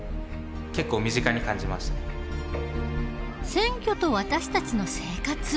選挙と私たちの生活。